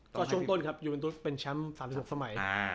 ก็ช่วงต้นครับยูเอ็นตุ๊สเป็นแชมป์๓๖สมัย